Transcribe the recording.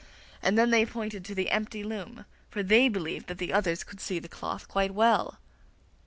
And then they pointed to the empty loom, for they believed that the others could see the cloth quite well.